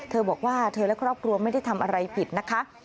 เธอบอกว่าเธอและครอบครัวไม่ได้ทำอะไรผิดนะคะ